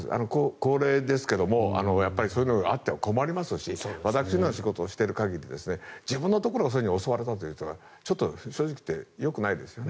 高齢ですけどもそういうのがあっても困りますし私のような仕事をしている限り自分のところが襲われたというのはちょっと正直言ってよくないですよね。